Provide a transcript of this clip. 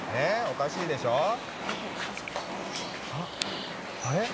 おかしいでしょ大変申し訳ありませんあっあれ？